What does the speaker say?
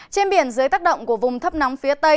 trên biển dưới tác động của vùng thấp nóng phía tây